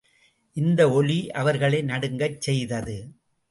இந்த ஒலி அவர்களை நடுங்கச் செய்தது.